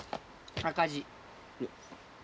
赤字？